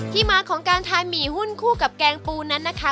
มาของการทานหมี่หุ้นคู่กับแกงปูนั้นนะคะ